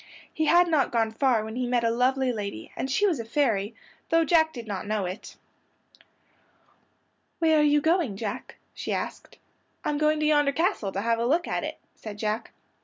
He had not gone far when he met a lovely lady, and she was a fairy, though Jack did not know it. "Where are you going, Jack?" she asked. "I'm going to yonder castle to have a look at it," said Jack.